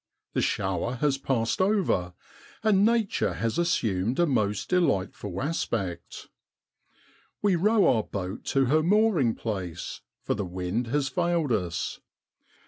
The shower has passed over, and nature has assumed a most delightful aspect. We row our boat to her mooring place, for the wind has failed us.